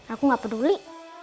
aku gak peduli